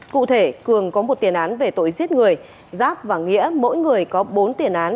cụ thể cường có một tiền án về tội giết người giáp và nghĩa mỗi người có bốn tiền án